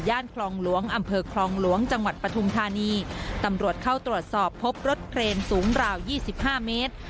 คลองหลวงอำเภอคลองหลวงจังหวัดปฐุมธานีตำรวจเข้าตรวจสอบพบรถเครนสูงราวยี่สิบห้าเมตร